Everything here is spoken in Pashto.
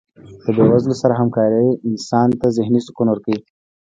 د بې وزلو سره هکاري انسان ته ذهني سکون ورکوي.